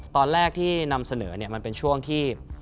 ตอนแรกที่นำเสนอมันเป็นช่วงที่